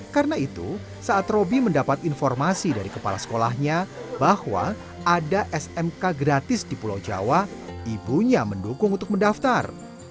karena itu saat robi mendapat informasi dari kepala sekolahnya bahwa ada smk gratis di pulau jawa ibunya mendukung untuk mendaftar